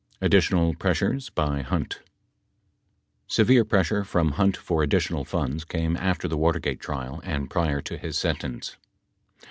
ADDITIONAL PRESSURES BY HUNT Severe pressure from Hunt for additional funds came after the Watergate trial and prior to his sentence.